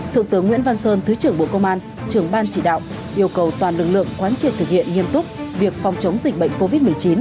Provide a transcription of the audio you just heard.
thượng tướng nguyễn văn sơn thứ trưởng bộ công an trưởng ban chỉ đạo yêu cầu toàn lực lượng quán triệt thực hiện nghiêm túc việc phòng chống dịch bệnh covid một mươi chín